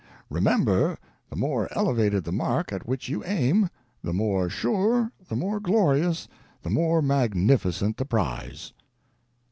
Remember, the more elevated the mark at which you aim, the more sure, the more glorious, the more magnificent the prize."